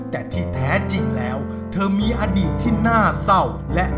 แต่ที่แท้จริงแล้วเธอมีอดีตที่น่าเศร้าและ